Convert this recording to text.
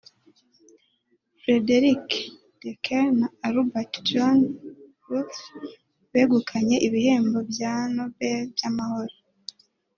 Frederik de Klerk na Albert John Luthuli begukanye ibihembo bya Nobel by’amahoro